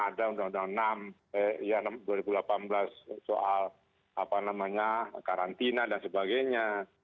ada undang undang enam dua ribu delapan belas soal karantina dan sebagainya